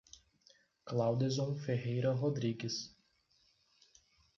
Claudeson Ferreira Rodrigues